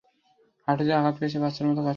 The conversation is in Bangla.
হাটুতে আঘাত পেয়েছে - বাচ্চার মত কাদছিল।